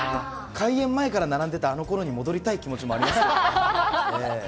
開園前から並んでたあのころに戻りたい気持ちもありますけどね。